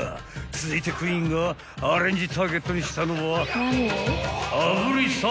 ［続いてクイーンがアレンジターゲットにしたのは］